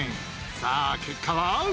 さぁ結果は？